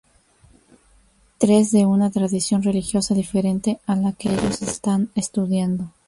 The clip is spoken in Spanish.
Tres de una tradición religiosa diferente a la que ellos están estudiando.